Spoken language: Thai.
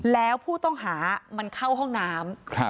แล้วผู้ต้องหามันเข้าห้องน้ำ